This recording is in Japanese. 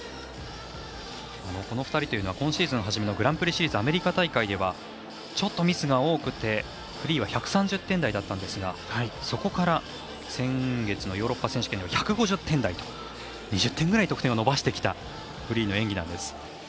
この２人というのは今シーズン初めのグランプリシリーズアメリカ大会ではちょっとミスが多くてフリーは１３０点台でしたがそこから先月のヨーロッパ選手権１５０点台と２０点ぐらい得点を伸ばしてきたフリーの演技なんです。